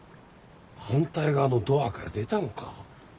反対側のドアから出たのか？